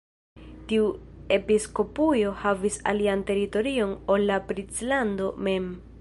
Tiu episkopujo havis alian teritorion ol la princlando mem.